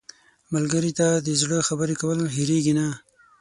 ملګری ته د زړه خبرې کول هېرېږي نه